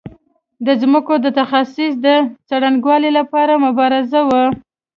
د ځمکو د تخصیص د څرنګوالي لپاره مبارزه وه.